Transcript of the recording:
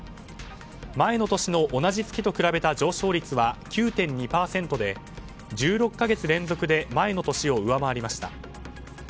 前の年の同じ月と比べた上昇率は９．２％で１６か月連続で前の年を上回りました。